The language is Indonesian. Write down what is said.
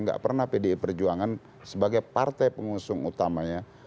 gak pernah pdi perjuangan sebagai partai pengusung utamanya